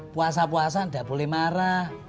puasa puasan gak boleh marah